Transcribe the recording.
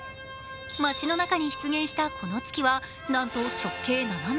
街の中に出現したこの月はなんと直径７ｍ。